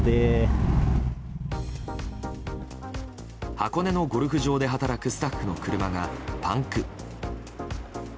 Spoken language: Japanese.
箱根のゴルフ場で働くスタッフの車がパンク。